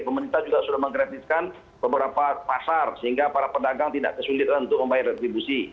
pemerintah juga sudah menggratiskan beberapa pasar sehingga para pedagang tidak kesulitan untuk membayar retribusi